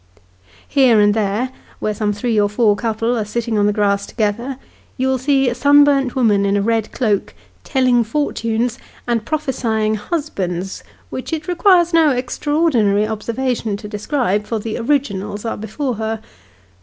Here and there, where some three or four couple are sitting on the grass together, you will see a sunburnt woman in a red cloak " telling fortunes " and prophesying husbands, which it requires no extraordinary observation to describe, for the originals are before her.